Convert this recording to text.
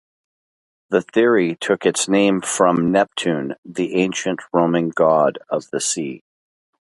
The theory took its name from Neptune, the ancient Roman god of the sea.